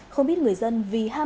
không biết người dân vì ham